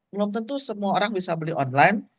belum tentu semua orang bisa beli online